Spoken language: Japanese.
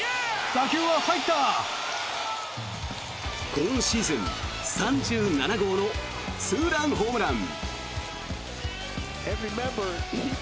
今シーズン３７号のツーランホームラン。